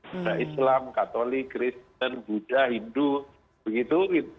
ada islam katolik kristen buddha hindu begitu